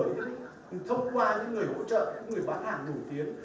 chúng ta không chỉ dừng ở thông qua những người hỗ trợ những người bán hàng nổi tiếng